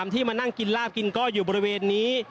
ที่มานั่งกินลาบกินก้อยอยู่บริเวณนี้